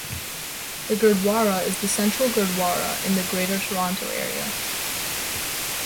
The Gurdwara is the central Gurdwara in the Greater Toronto Area.